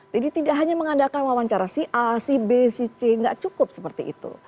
jadi tidak hanya mengandalkan wawancara si a si b si c tidak cukup seperti itu